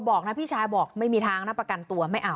น้องเป็นเหตุดูกลับไปคำว่า